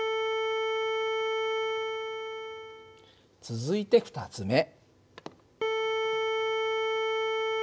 続いて２つ目。